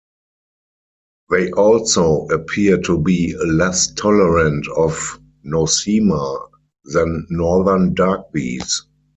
They also appear to be less tolerant of "Nosema" than Northern dark bees.